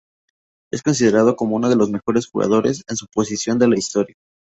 Es considerado como uno de los mejores jugadores en su posición de la historia.